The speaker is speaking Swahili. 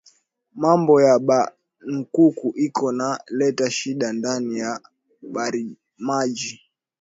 Mambo ya ba nkuku iko na leta shida ndani ya barimaji